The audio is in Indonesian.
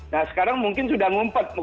nah sekarang mungkin sudah ngumpet